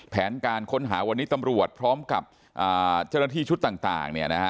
แผนการค้นหาวันนี้ตำรวจพร้อมกับเจ้าหน้าที่ชุดต่าง